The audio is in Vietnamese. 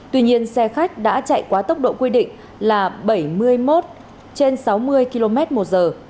tuy nhiên xe khách đã chạy quá tốc độ quy định là bảy mươi một trên sáu mươi km một giờ